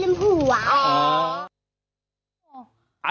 มิชุนา